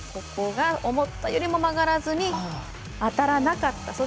ここが思ったよりも曲がらずに当たらなかった。